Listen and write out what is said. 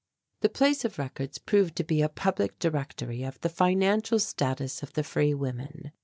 The Place of Records proved to be a public directory of the financial status of the free women.